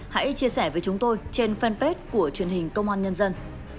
hãy chia sẻ với chúng tôi trên fanpage của truyền hình công an nhân dân